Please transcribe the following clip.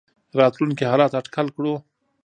راتلونکي حالات اټکل کړو.